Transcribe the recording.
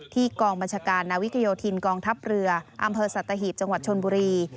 กองบัญชาการนาวิกโยธินกองทัพเรืออำเภอสัตหีบจังหวัดชนบุรี